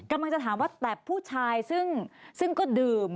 กำลังจะถามว่าแต่ผู้ชายซึ่งก็ดื่ม